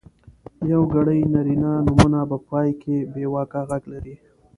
یوګړي نرينه نومونه په پای کې بېواکه غږ لري.